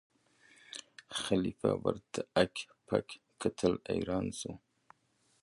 خلیفه ورته هک پک کتل حیران سو